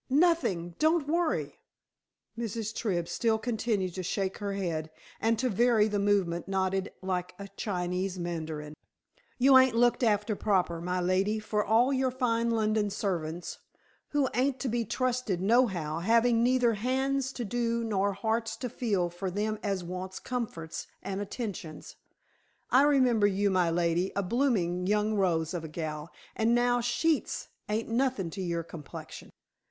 Nothing! Don't worry." Mrs. Tribb still continued to shake her head, and, to vary the movement, nodded like a Chinese mandarin. "You ain't looked after proper, my lady, for all your fine London servants, who ain't to be trusted, nohow, having neither hands to do nor hearts to feel for them as wants comforts and attentions. I remember you, my lady, a blooming young rose of a gal, and now sheets ain't nothing to your complexion.